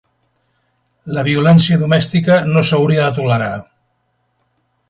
La violència domèstica no s'hauria de tolerar.